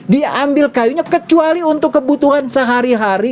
diambil kayunya kecuali untuk kebutuhan sehari hari